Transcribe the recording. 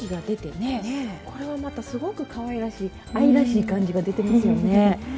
これはまたすごくかわいらしい愛らしい感じが出てますよね。